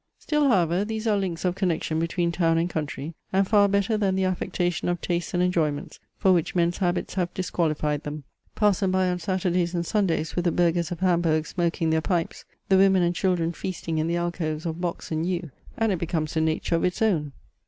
Still, however, these are links of connection between town and country, and far better than the affectation of tastes and enjoyments for which men's habits have disqualified them. Pass them by on Saturdays and Sundays with the burghers of Hamburg smoking their pipes, the women and children feasting in the alcoves of box and yew, and it becomes a nature of its own.